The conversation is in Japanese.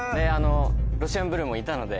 ロシアンブルーもいたので。